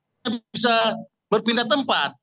apakah orang bisa berpindah tempat